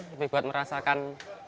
lebih buat merasakan